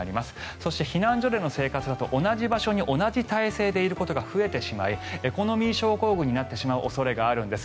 そして、避難所での生活だと同じ場所に同じ体勢でいることが増えてしまいエコノミー症候群になってしまう恐れがあるんです。